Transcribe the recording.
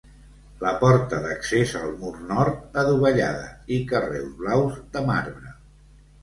La porta d'accés al mur nord, adovellada i carreus blaus de marbre.